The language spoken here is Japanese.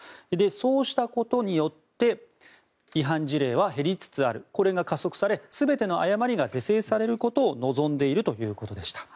そうしたことによって違反事例は減りつつあるこれが加速され全ての誤りが是正されることを望んでいるということでした。